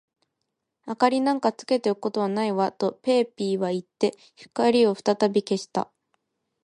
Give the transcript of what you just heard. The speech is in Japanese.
「明りなんかつけておくことはないわ」と、ペーピーはいって、光をふたたび消した。